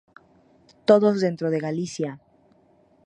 Todos dentro de Galicia.